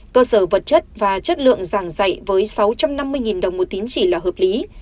cơ sở vật chất và chất lượng giảng dạy với sáu trăm năm mươi đồng một tín chỉ là hợp lý